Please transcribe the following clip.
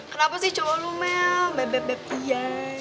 kenapa sih cowok lu mel bebek bebek iya